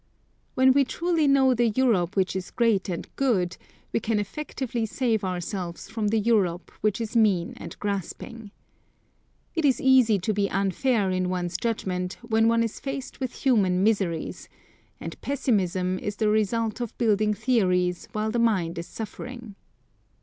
When we truly know the Europe which is great and good, we can effectively save ourselves from the Europe which is mean and grasping. It is easy to be unfair in one's judgment when one is faced with human miseries, and pessimism is the result of building theories while the mind is suffering.